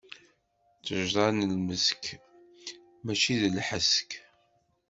Ṭṭejṛa n lmesk, mačči d lḥesk.